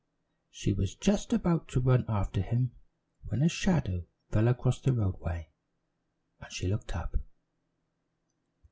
She was just about to run after him when a shadow fell across the roadway and she looked up.